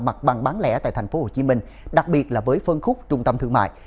mặt bằng bán lẻ tại tp hcm đặc biệt là với phân khúc trung tâm thương mại